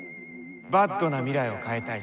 ＢＡＤな未来を変えたい。